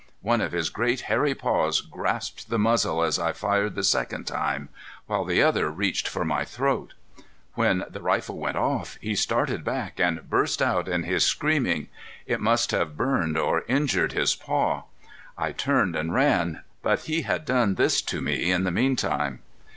One of his great, hairy paws grasped the muzzle as I fired the second time, while the other reached for my throat. When the rifle went off, he started back and burst out in his screaming. It must have burned or injured his paw. I turned and ran, but he had done this to me in the meantime."